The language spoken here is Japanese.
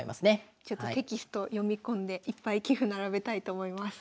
テキストを読み込んでいっぱい棋譜並べたいと思います。